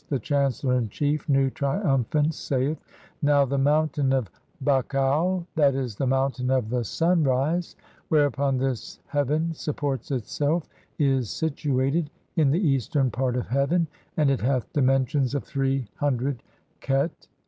The chancellor in chief, Nu, triumphant, saith :— "Now the Mountain of Bakhau (z. e., the mountain of the "sunrise), whereupon this heaven supports itself, (3) is situated "in the eastern part of heaven, and it hath dimensions of three "hundred khet (i.